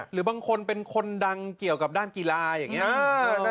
หรือบางคนเป็นคนดังเกี่ยวกับด้านกีฬาอย่างนี้